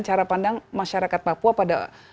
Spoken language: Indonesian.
cara pandang masyarakat papua pada